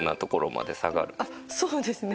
あっそうですね。